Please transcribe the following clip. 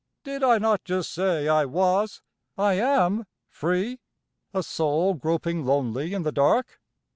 Did I not just say I was I am free? A soul groping lonely in the dark?